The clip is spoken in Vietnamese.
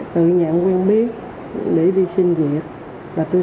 tự nhận quen biết để đi xin việc bà tôi sai